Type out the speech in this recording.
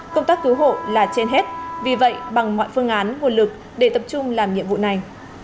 công tác cứu hộ là trên hết vì vậy bằng mọi phương án nguồn lực để tập trung làm nhiệm vụ này